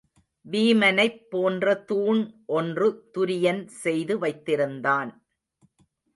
வீமனைப் போன்ற தூண் ஒன்று துரியன் செய்து வைத்திருந்தான்.